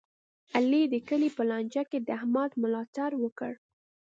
علي د کلي په لانجه کې د احمد ملا تړ وکړ.